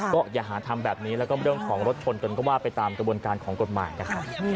ก็อย่าหาทำแบบนี้แล้วก็เรื่องของรถชนกันก็ว่าไปตามกระบวนการของกฎหมายนะครับ